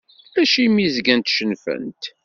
Acimi zgant cennfent?